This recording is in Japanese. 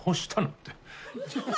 って。